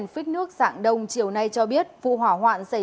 xin chào các bạn